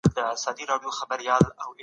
په همدې اساس ئې تعليم واجب دی.